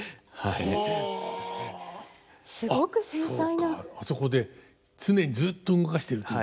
あそこで常にずっと動かしてると。